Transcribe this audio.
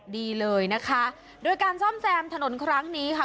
ดีเลยนะคะโดยการซ่อมแซมถนนครั้งนี้ค่ะ